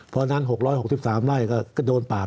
เพราะฉะนั้น๖๖๓ไร่ก็โดนปาก